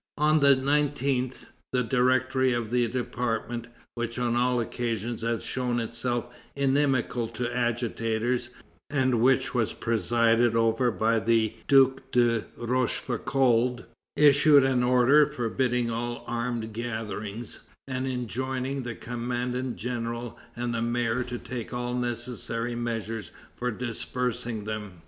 On the 19th, the Directory of the department, which on all occasions had shown itself inimical to agitators, and which was presided over by the Duke de La Rochefoucauld, issued an order forbidding all armed gatherings, and enjoining the commandant general and the mayor to take all necessary measures for dispersing them.